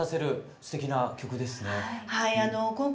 すてきな曲でした。